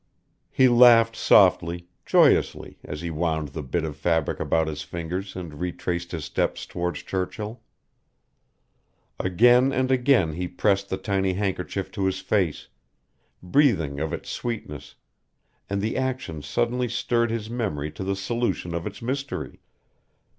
He laughed softly, joyously, as he wound the bit of fabric about his fingers and retraced his steps toward Churchill. Again and again he pressed the tiny handkerchief to his face, breathing of its sweetness; and the action suddenly stirred his memory to the solution of its mystery.